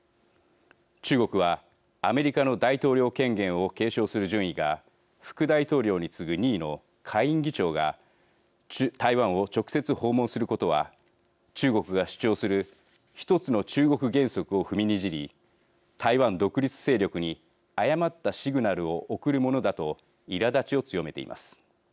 中国は、アメリカの大統領権限を継承する順位が副大統領に次ぐ２位の下院議長が台湾を直接訪問することは中国が主張する１つの中国原則を踏みにじり台湾独立勢力に誤ったシグナルを送るものだといらだちを強めています。